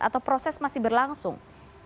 atau proses masih berlangsung